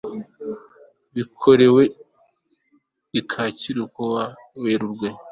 bikorewe i kacyiru ku wa werurwe